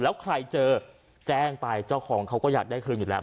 แล้วใครเจอแจ้งไปเจ้าของเขาก็อยากได้คืนอยู่แล้ว